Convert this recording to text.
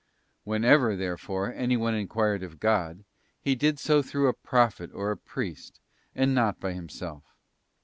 Whenever, therefore, anyone enquired of God, he did so through a prophet or a priest, and not by himself.